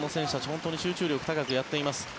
本当に集中力高くやっています。